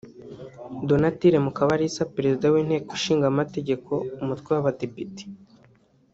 Donatille Mukabalisa Perezida w’inteko ishinga amategeko umutwe w’Abadepite